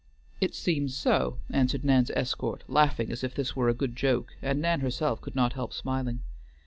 "It seems so," answered Nan's escort, laughing as if this were a good joke; and Nan herself could not help smiling.